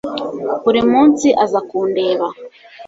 Buri munsi aza kundeba